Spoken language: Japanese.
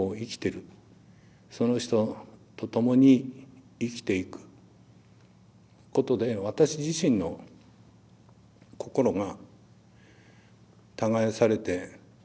その人とともに生きていくことで私自身の心が耕されていくんではないかなと。